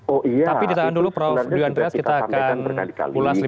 oh iya itu sebenarnya kita akan berkali kali